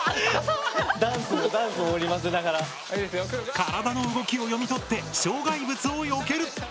体の動きを読み取って障害物をよける！